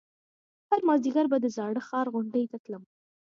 هر مازديگر به د زاړه ښار غونډۍ ته تلم.